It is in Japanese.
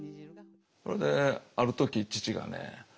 それである時父がね